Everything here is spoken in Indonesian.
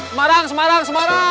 semarang semarang semarang